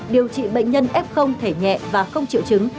điều trị bệnh nhân f thể nhẹ và không triệu chứng